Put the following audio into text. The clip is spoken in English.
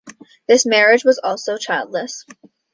This marriage was also childless.